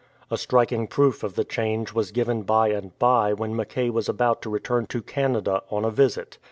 A striking proof of the change was given by and by when Mackay was about to return to Canada on a visit.